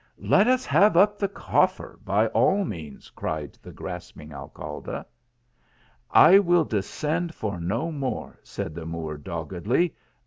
" Let us have up the coffer by all means," cried the grasping Alcalde. " I will descend for no more," said the Moor, dog gedly.